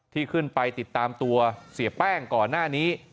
ที่ขึ้นไปติดตามตัวเสียแป้งก่อนหน้านี้